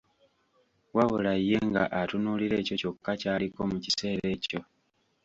Wabula ye nga atunuulira ekyo kyokka ky'aliko mu kiseera ekyo.